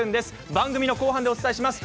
番組の後半でお伝えします。